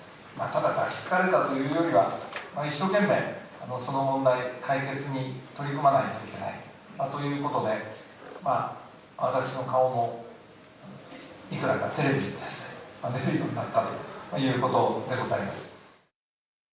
ただ、抱きつかれたというよりは、一生懸命、その問題解決に取り組まないといけない、ということで、私の顔も、いくらかテレビにですね、出るようになったということでございます。